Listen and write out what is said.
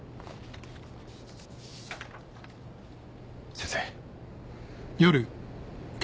先生。